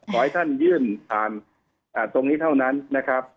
ขอให้ท่านยื่นผ่านตรงนี้เท่านั้นนะครับ